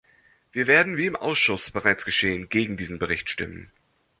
Wir werden, wie im Ausschuss bereits geschehen, gegen diesen Bericht stimmen.